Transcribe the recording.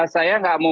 saya tidak mau